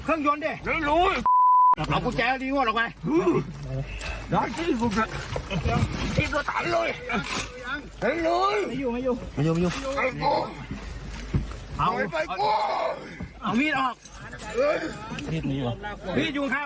เอาใหม่เอาใหม่